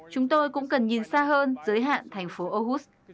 chúng tôi cũng cần nhìn xa hơn giới hạn thành phố aarhus